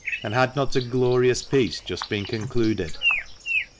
And had not a glorious peace just been concluded